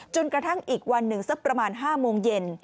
กระทั่งอีกวันหนึ่งสักประมาณ๕โมงเย็น